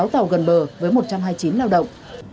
một mươi sáu tàu gần bờ với một trăm hai mươi chín lao động